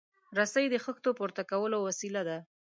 رسۍ د خښتو پورته کولو وسیله ده.